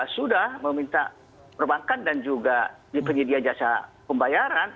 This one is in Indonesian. sudah meminta perbankan dan juga penyedia jasa pembayaran